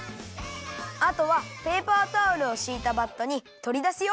あとはペーパータオルをしいたバットにとりだすよ。